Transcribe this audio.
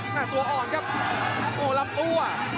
หน้าตัวอ่อนครับโอ้โหรับตัว